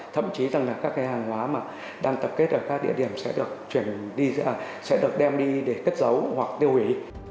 thậm chí là các cái hàng hóa mà đang tập kết ở các địa điểm sẽ được đem đi để cất giấu hoặc tiêu hủy